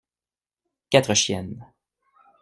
Quatre chiennes.